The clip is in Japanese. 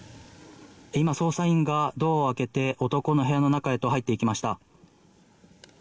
今、捜査員がドアを開けて男の部屋の中へと入っていきました。